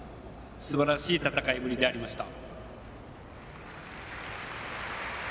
すばらしい戦いぶりでありました。